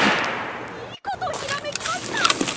いいことひらめきました！